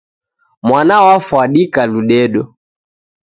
Mwana wafwadika ludedo.